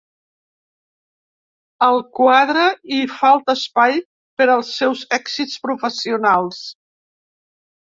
Al quadre hi falta espai per als seus èxits professionals.